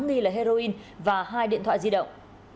nghi là heroin và hai điện thoại di động